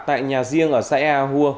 tại nhà riêng ở xã ea hua